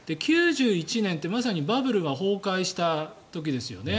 ９１年ってまさにバブルが崩壊した時ですよね。